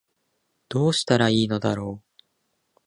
どうしたら良いのだろう